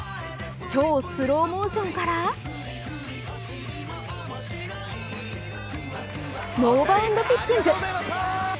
超スローモーションからノーバウンドピッチング。